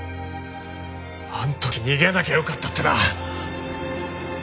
あの時逃げなきゃよかったってな。